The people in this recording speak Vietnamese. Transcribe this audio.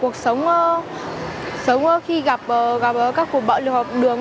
cần làm gì để phòng tránh bạo lực học đường